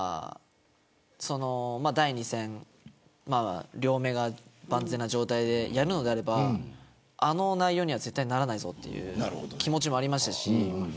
第２戦、両目が万全な状態でやるのであればあの内容には絶対ならないぞという気持ちもありましたし。